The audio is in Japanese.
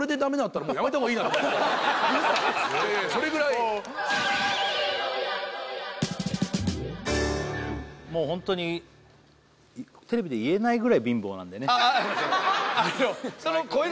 いやいやそれぐらいもうホントにテレビで言えないぐらい貧乏なんだよね